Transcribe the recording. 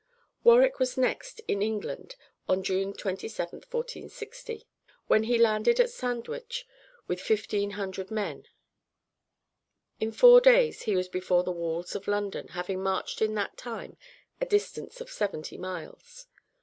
Warwick was next in England on June 27, 1460, when he landed at Sandwich with fifteen hundred men. In four days he was before the walls of London, having marched in that time a distance of seventy miles.